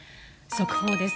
速報です。